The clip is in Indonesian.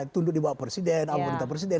tunduk dibawa presiden amudita presiden